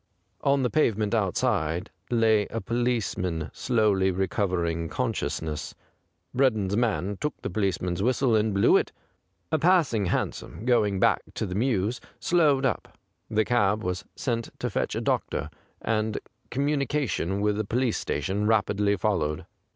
On the pavement outside lay a policeman slowly recovering consciousness. Breddon's man took the policeman's whistle and blew it. A passing hansom, going back to the mews, slowed up ; the cab was sent to fetch a doctor, and commu 185 THE GRAY CAT nication with the police station rapidly followed.